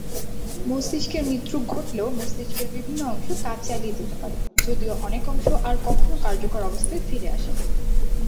মস্তিষ্কের মৃত্যু ঘটলেও মস্তিষ্কের বিভিন্ন অংশ কাজ চালিয়ে যেতে পারে যদিও অনেক অংশ আর কখনো কার্যকর অবস্থায় ফিরে আসে না।